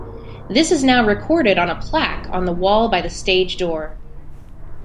This is now recorded on a plaque on the wall by the stage door.